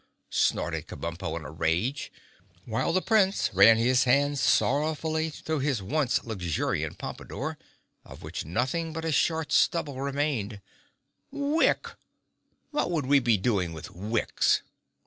snorted Kabumpo in a rage—while the Prince ran his hand sorrowfully through his one luxuriant pompadour, of which nothing but a short stubble remained—"Wick! What would we be doing with wicks?"